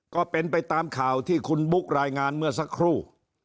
ก็เป็นไปตามข่าวที่คุณบุ๊ครายงานเมื่อสักครู่